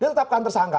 dia tetapkan tersangka